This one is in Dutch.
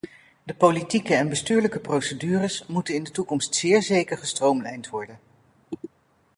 De politieke en bestuurlijke procedures moeten in de toekomst zeer zeker gestroomlijnd worden.